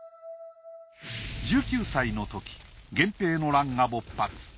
１９歳のとき源平の乱が勃発。